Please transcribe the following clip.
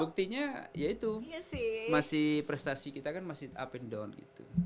buktinya ya itu masih prestasi kita kan masih up and down gitu